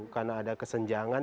karena ada kesenjangan